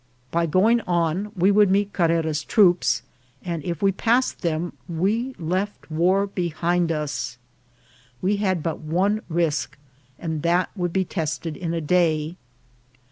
By going on we would meet Carrera's troops, and if we passed them we left war behind us. We had but one risk, and that would be tested in a day.